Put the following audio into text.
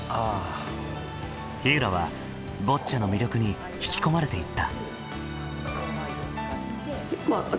ひうらはボッチャの魅力に引き込まれていった。